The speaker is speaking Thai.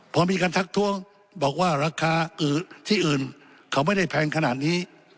พอมีการทักท้วงบอกว่าราคาที่อื่นเขาไม่ได้แพงขนาดนี้